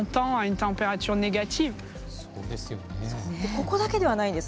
ここだけではないんです。